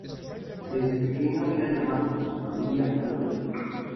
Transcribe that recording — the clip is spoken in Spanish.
Desde pequeño era llamado por su familia Louie.